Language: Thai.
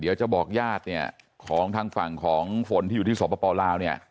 เดี๋ยวจะบอกญาติเนี่ยของทางฝั่งของฝนที่อยู่ที่สปลาวเนี่ย